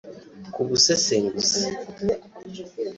kubusesenguzi